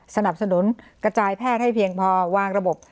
สนับสนุนกระจายแพทย์ให้เพียงพอวางระบบ